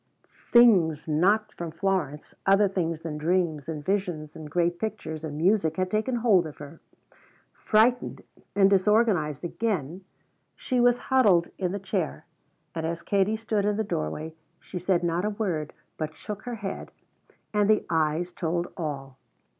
Things not from Florence, other things than dreams and visions and great pictures and music had taken hold of her. Frightened and disorganized again, she was huddled in the chair, and as Katie stood in the doorway she said not a word, but shook her head, and the eyes told all.